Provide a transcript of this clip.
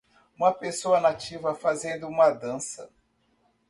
Uma pessoa nativa fazendo uma dança.